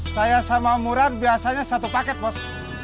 saya sama murad biasanya satu paket pos